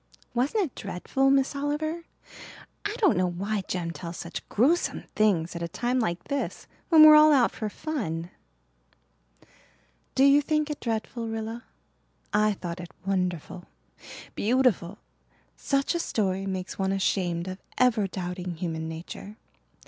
"Wasn't it dreadful, Miss Oliver? I don't know why Jem tells such gruesome things at a time like this when we're all out for fun." "Do you think it dreadful, Rilla? I thought it wonderful beautiful. Such a story makes one ashamed of ever doubting human nature.